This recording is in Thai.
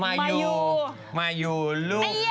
มาอยู่มาอยู่ลูก